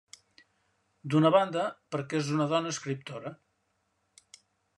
D'una banda, perquè és una dona escriptora.